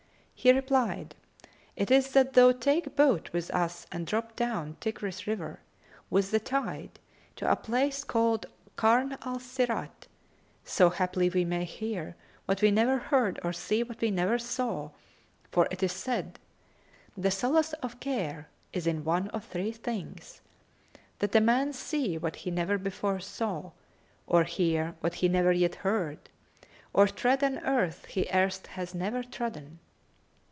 He replied, "It is that thou take boat with us and drop down Tigris River with the tide to a place called Karn al Sirat, so haply we may hear what we never heard or see what we never saw, for 'tis said, 'The solace of care is in one of three things; that a man see what he never before saw or hear what he never yet heard or tread an earth he erst hath never trodden.'